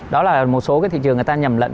đó là một số cái thị trường người ta nhầm lẫn